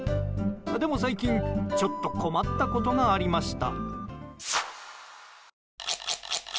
でも最近、ちょっと困ったことがありました。